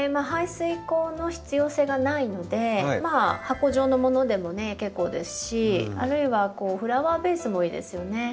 排水口の必要性がないのでまあ箱状のものでも結構ですしあるいはフラワーベースもいいですよね。